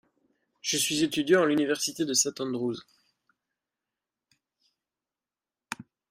Je suis étudiant à l'université de St. Andrew.